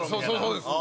そうです。